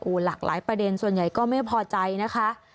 หลากหลายประเด็นส่วนใหญ่ก็ไม่พอใจนะคะ